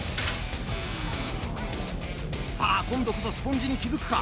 さぁ今度こそスポンジに気付くか？